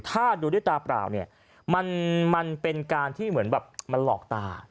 ถ้าดูด้วยตาเปล่าเนี่ยมันเป็นการที่เหมือนแบบมันหลอกตา